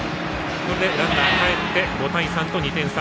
これでランナーかえって５対３と２点差。